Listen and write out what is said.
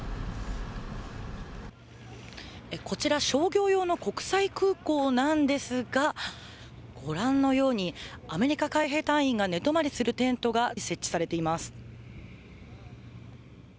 こちら、商業用の国際空港なんですが、ご覧のようにアメリカ海兵隊員が寝泊まりするテントが設置されています。